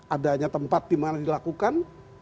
adanya tempat dimana dilakukan